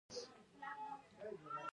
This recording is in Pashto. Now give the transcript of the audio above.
د فلم بنيادي کردارونو کښې هم